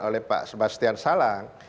oleh pak sebastian salang